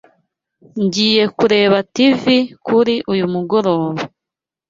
Ngiye kureba TV kuri uyu mugoroba.